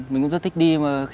mình cũng rất thích đi